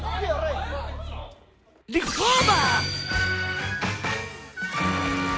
リフォーマーズ！